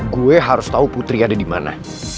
gue harus tau putri ada dimana